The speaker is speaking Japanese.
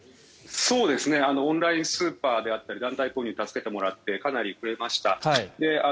オンラインスーパーであったり団体購入に助けてもらってかなり増えました。